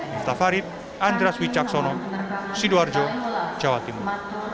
minta farid andras wijaksono sidoarjo jawa timur